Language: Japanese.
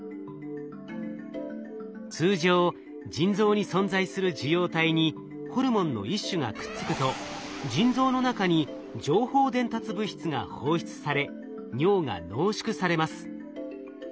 通常腎臓に存在する受容体にホルモンの一種がくっつくと腎臓の中に情報伝達物質が放出され尿が濃縮されます。